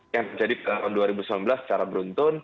yang terjadi tahun dua ribu sembilan belas secara beruntun